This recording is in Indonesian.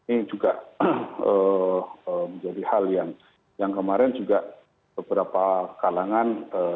ini juga menjadi hal yang kemarin juga beberapa kalangan